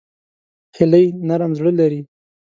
هیلۍ نرم زړه لري